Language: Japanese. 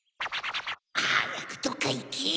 はやくどっかいけ！